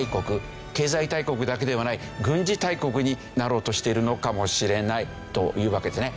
経済大国だけではない軍事大国になろうとしているのかもしれないというわけですね。